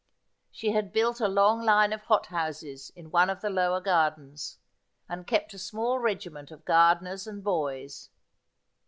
She had built a long line of hot houses in one of the lower gardens, and kept a small regiment of gardeners and boys.